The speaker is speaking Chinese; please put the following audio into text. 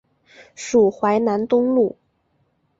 属淮南东路。